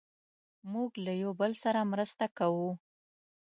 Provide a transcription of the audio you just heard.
موږ له یو بل سره مرسته کوو.